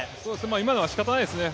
今のは、しかたないですね。